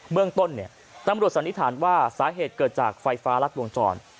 เรื่องต้นตำรวจสันนิษฐานว่าสาเหตุเกิดจากไฟฟ้ารัดวงจร